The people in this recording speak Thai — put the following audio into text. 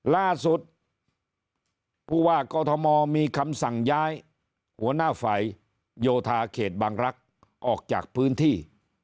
ล่าสุดผู้ว่ากอทมมีคำสั่งย้ายหัวหน้าฝ่ายโยธาเขตบางรักษ์ออกจากพื้นที่